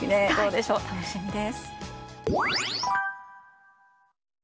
楽しみです。